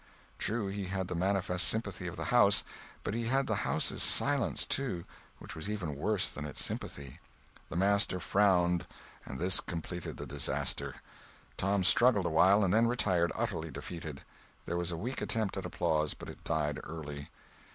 True, he had the manifest sympathy of the house but he had the house's silence, too, which was even worse than its sympathy. The master frowned, and this completed the disaster. Tom struggled awhile and then retired, utterly defeated. There was a weak attempt at applause, but it died early.